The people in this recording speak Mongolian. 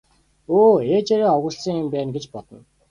Өө ээжээрээ овоглосон юм байна гэж бодно.